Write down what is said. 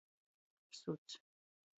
Suts.